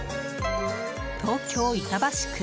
東京・板橋区。